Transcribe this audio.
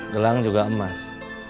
gelang juga emas